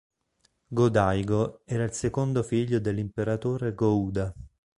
Go-Daigo era il secondo figlio dell'imperatore Go-Uda.